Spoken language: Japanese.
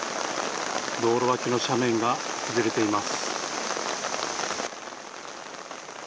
道路脇の斜面が崩れています。